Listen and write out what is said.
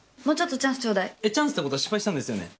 チャンスってことは失敗したんですよね？